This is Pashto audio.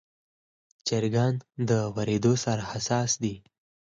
چرګان د وریدو سره حساس دي.